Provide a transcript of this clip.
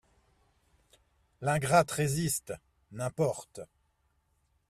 L'ingrate résiste ; n'importe.